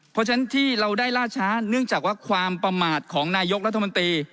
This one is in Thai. เพราะฉะนั้นที่เราได้ล่าช้าเนื่องจากว่าความประมาทของนายกรัฐมนตรี